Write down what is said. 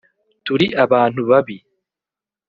turi abantu babi